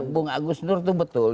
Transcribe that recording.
bung agus nur itu betul